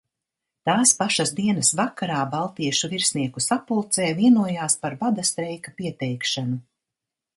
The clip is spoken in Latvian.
Tās pašas dienas vakarā baltiešu virsnieku sapulcē vienojās par bada streika pieteikšanu.